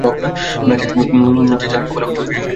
না চাইতে, যে চান কপাল পাইছো, সেটাকে সম্মান করো!